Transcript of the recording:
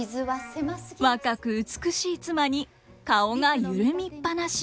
若く美しい妻に顔が緩みっぱなし。